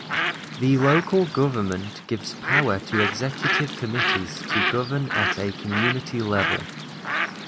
The local government gives power to executive committees to govern at a community level.